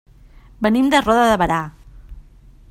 Venim de Roda de Berà.